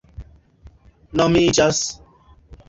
nomiĝas